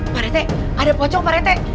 pak rete ada pocong pak rete